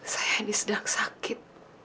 saya ini sedang sakit